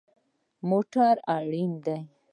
موټر اړین دی